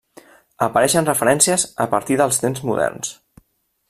Apareixen referències a partir dels temps moderns.